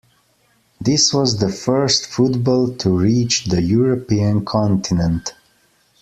This was the first football to reach the European continent.